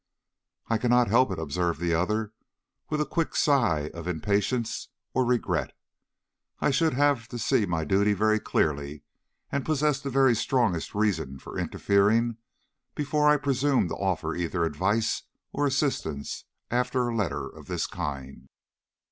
"I cannot help it," observed the other, with a quick sigh of impatience or regret. "I should have to see my duty very clearly and possess the very strongest reasons for interfering before I presumed to offer either advice or assistance after a letter of this kind."